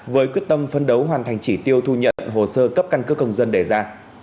với quyết tâm phân đấu hoàn thành chỉ tiêu thu nhận hồ sơ cấp căn cước công dân đề ra